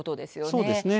そうですね。